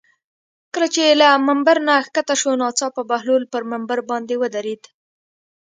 کله چې له ممبر نه ښکته شو ناڅاپه بهلول پر ممبر باندې ودرېد.